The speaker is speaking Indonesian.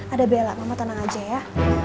ada bella mama tenang aja ya